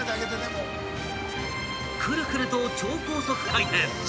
［くるくると超高速回転］